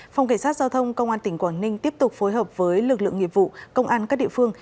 phòng cảnh sát giao thông công an tỉnh quảng ninh tiếp tục phối hợp với lực lượng nghiệp vụ công an các địa phương